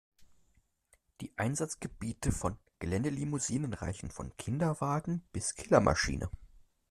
Die Einsatzgebiete von Geländelimousinen reichen von Kinderwagen bis Killermaschine.